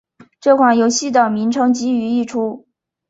这款游戏的名称基于一出。